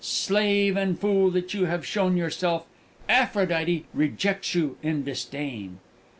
Slave and fool that you have shown yourself, Aphrodite rejects you in disdain!"